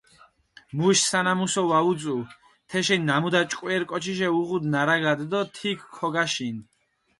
მუში სანამუსო ვაუწუ, თეშენი ნამუდა ჭკვერი კოჩიშე უღუდუ ნარაგადჷ დო თიქჷ ქოგაშინჷ.